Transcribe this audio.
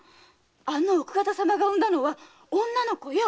あの奥方様が産んだのは女の子よ！